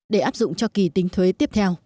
để áp dụng cho kỳ tính thuế tiếp theo